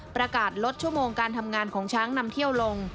ประกาศลดชั่วโมงการทำงานของช้างนำเที่ยวลง